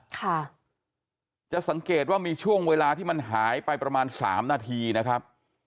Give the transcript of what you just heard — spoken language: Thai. ค่ะจะสังเกตว่ามีช่วงเวลาที่มันหายไปประมาณสามนาทีนะครับ